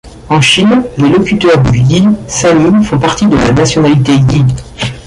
En Chine, les locuteurs du yi sani font partie de la nationalité yi.